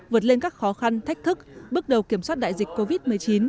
vượt lên các khó khăn thách thức bước đầu kiểm soát đại dịch covid một mươi chín